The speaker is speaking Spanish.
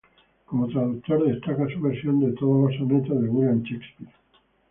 Como traductor, destaca su versión de todos los sonetos de William Shakespeare.